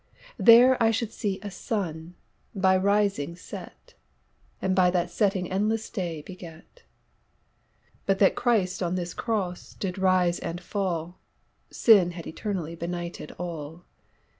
There I should see a Sunne, by rising set, And by that setting endlesse day beget; But that Christ on this Crosse, did rise and fall, Sinne had eternally benighted all.